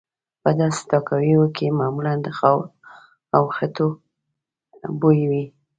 په داسې تاکاویو کې معمولا د خاورو او خټو بوی وي.